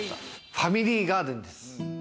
ファミリーガーデンです。